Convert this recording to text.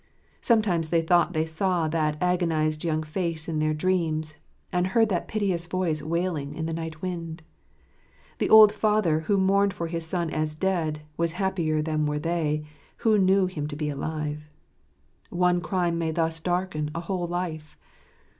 Sometimes they thought they saw that agonized young face in their dreams, and heard that piteous voice wailing in the night wind. The old father, who mourned for his son as dead, was happier than were they, who knew him to be alive. One crime may thus darken a whole life.